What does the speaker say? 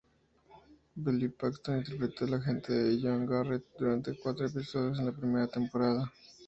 Bill Paxton interpretó al agente John Garrett durante cuatro episodios de la primera temporada.